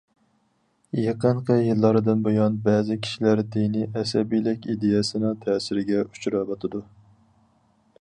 يېقىنقى يىللاردىن بۇيان، بەزى كىشىلەر دىنىي ئەسەبىيلىك ئىدىيەسىنىڭ تەسىرىگە ئۇچراۋاتىدۇ.